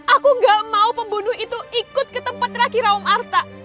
aku gak mau pembunuh itu ikut ke tempat terakhir raom arta